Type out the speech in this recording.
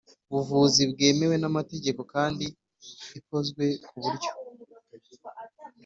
buvuzi bwemewe n amategeko kandi ikozwe ku buryo